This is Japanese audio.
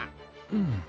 うん。